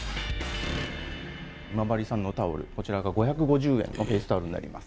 今治産のタオル、こちらが５５０円のフェイスタオルになります。